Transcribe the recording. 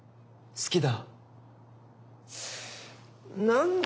好きだ。